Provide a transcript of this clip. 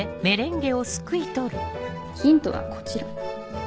ヒントはこちら。